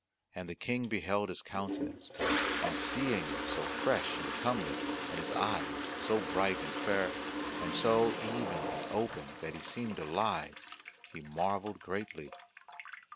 And the King beheld his countenance, and seeing it so fresh and comely, and his eyes so bright and fair, and so even and open that he seemed alive, he marvelled greatly.